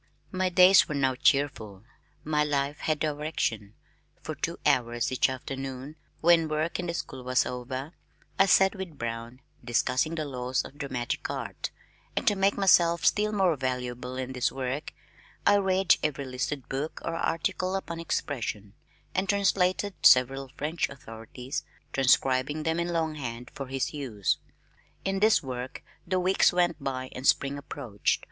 My days were now cheerful. My life had direction. For two hours each afternoon (when work in the school was over) I sat with Brown discussing the laws of dramatic art, and to make myself still more valuable in this work, I read every listed book or article upon expression, and translated several French authorities, transcribing them in longhand for his use. In this work the weeks went by and spring approached.